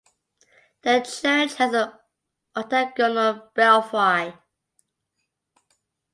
The church has an octagonal belfry.